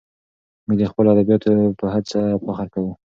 موږ د خپلو ادیبانو په هڅو فخر کوو.